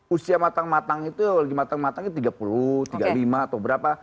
usia matang matang itu di matang matangnya tiga puluh tiga puluh lima atau berapa